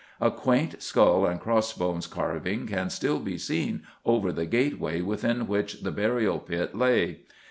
A quaint skull and crossbones carving can still be seen over the gateway within which the burial pit lay.